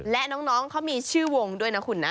และน้องเขามีชื่อวงด้วยนะคุณนะ